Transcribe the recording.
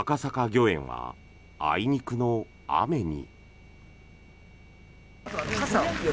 御苑はあいにくの雨に。